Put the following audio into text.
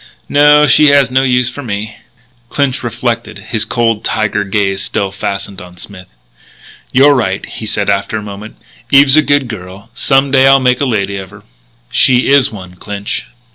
"No. She has no use for me." Clinch reflected, his cold tiger gaze still fastened on Smith. "You're right," he said after a moment. "Eve is a good girl. Some day I'll make a lady of her." "She is one, Clinch."